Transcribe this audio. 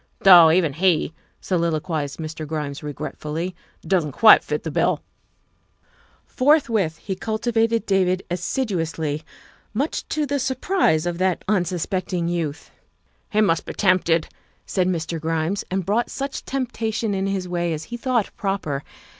" Though even he," soliloquized Mr. Grimes regret fully, " doesn't quite fill the bill." Forthwith he cultivated David assiduously, much to the surprise of that unsuspecting youth. '' He must be tempted, '' said Mr. Grimes, and brought such temptation in his way as he thought proper.